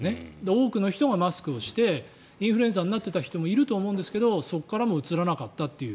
多くの人がマスクをしてインフルエンザになっていた人もいると思うんですけどそこからもうつらなかったという。